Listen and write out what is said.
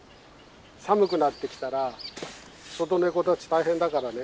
寒くなってきたら外ネコたち大変だからね